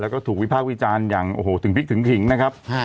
แล้วก็ถูกวิพากษ์วิจารณ์อย่างโอ้โหถึงพลิกถึงขิงนะครับ